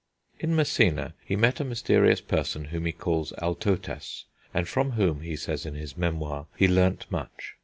In Messina he met a mysterious person whom he calls Altotas, and from whom, he says in his Memoir, he learnt much.